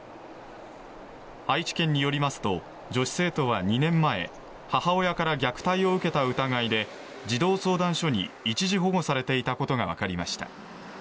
愛知県によりますと女子生徒は２年前母親から虐待を受けた疑いで児童相談所に一時保護されていたことがわかりました。